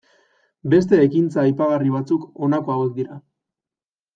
Beste ekintza aipagarri batzuk honako hauek dira.